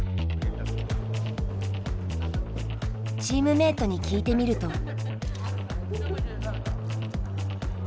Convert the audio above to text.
チームメートに聞いてみると。